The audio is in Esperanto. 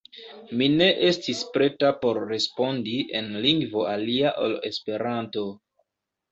Mi ne estis preta por respondi en lingvo alia ol Esperanto.